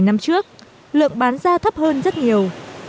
năm trước lượng bán ra thấp hơn rất nhiều